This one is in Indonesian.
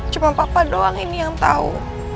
cuma papa doang ini yang tahu